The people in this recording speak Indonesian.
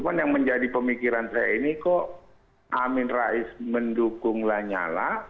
cuma yang menjadi pemikiran saya ini kok amin rais mendukung lanyala